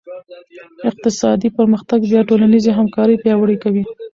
اقتصادي پرمختګ بیا ټولنیزې همکارۍ پیاوړې کوي.